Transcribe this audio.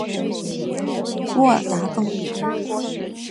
沃达丰